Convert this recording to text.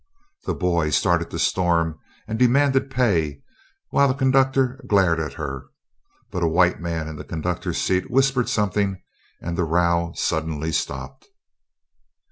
The boy started to storm and demanded pay, while the conductor glared at her; but a white man in the conductor's seat whispered something, and the row suddenly stopped.